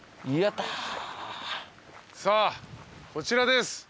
さあこちらです。